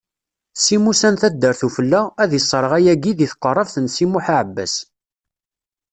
Si Musa n taddart ufella, ad isserɣ ayagi deg tqeṛṛabt n Si Muḥ Aɛebbas.